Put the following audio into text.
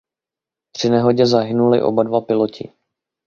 Při nehodě zahynuli oba dva piloti.